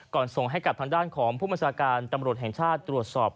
ส่งให้กับทางด้านของผู้บัญชาการตำรวจแห่งชาติตรวจสอบ